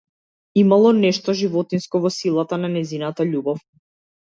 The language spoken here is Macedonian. Имало нешто животинско во силата на нејзината љубов.